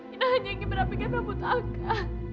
inah hanya ingin merampingkan rambut saya